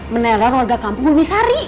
menerah warga kampung bumisari